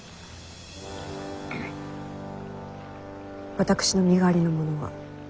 私の身代わりの者は？